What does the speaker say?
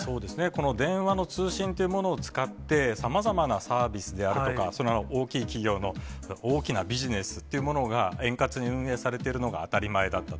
この電話の通信というものを使って、さまざまなサービスであるとか、大きい企業の大きなビジネスというものが、円滑に運営されてるのが当たり前だった。